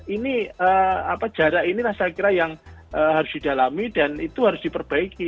ini jarak inilah saya kira yang harus didalami dan itu harus diperbaiki